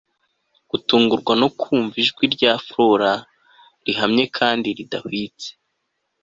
gutungurwa no kumva ijwi rya flora, rihamye kandi ridahwitse